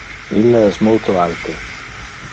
Ille es multo alte.